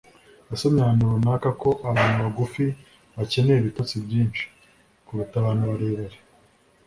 yasomye ahantu runaka ko abantu bagufi bakeneye ibitotsi byinshi kuruta abantu barebare.